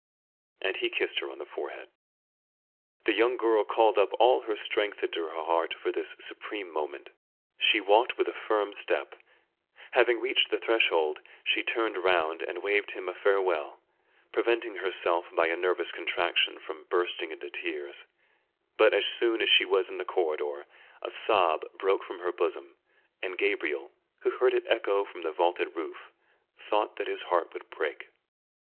And he kissed her on the forehead. The young girl called up all her strength into her heart for this supreme moment; she walked with a firm step; having reached the threshold, she turned round and waved him a farewell, preventing herself by a nervous contraction from bursting into tears, but as soon as she was in the corridor, a sob broke from her bosom, and Gabriel, who heard it echo from the vaulted roof, thought that his heart would break.